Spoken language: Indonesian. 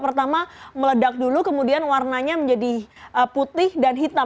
pertama meledak dulu kemudian warnanya menjadi putih dan hitam